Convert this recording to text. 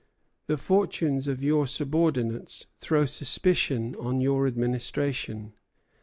The fortunes of your subordinates throw suspicion on your administration."